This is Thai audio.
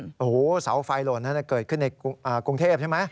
อู๋โอโฮสาวไฟโล่ชน้านั่นเกิดขึ้นในกรุงเทพฯใช่ไหม